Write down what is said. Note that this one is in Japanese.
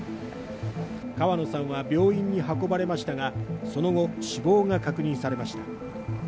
川野さんは病院に運ばれましたが、その後、死亡が確認されました。